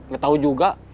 gak tau juga